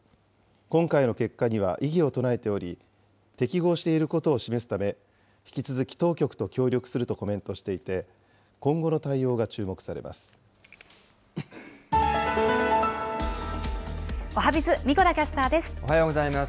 今回の結果には異議を唱えており、適合していることを示すため、引き続き当局と協力するとコメントしていて、今後の対応が注目さおはＢｉｚ、神子田キャスタおはようございます。